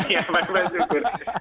iya bang sukur